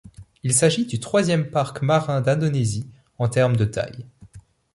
Il s'agit du troisième parc marin d'Indonésie en termes de taille.